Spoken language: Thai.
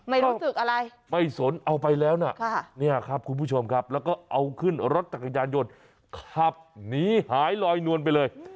ไม่รู้สึกอะไรไม่สนเอาไปแล้วนะเนี่ยครับคุณผู้ชมครับแล้วก็เอาขึ้นรถจักรยานยนต์ขับหนีหายลอยนวลไปเลย